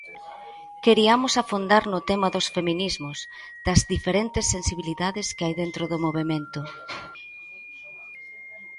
Queriamos afondar no tema dos feminismos, das diferentes sensibilidades que hai dentro do movemento.